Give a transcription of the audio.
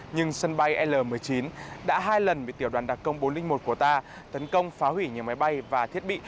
nhưng sân bay l một mươi chín đã hai lần bị tiểu đoàn đặc công bốn trăm linh một của ta tấn công phá hủy nhiều máy bay và thiết bị